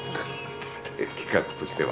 企画としては。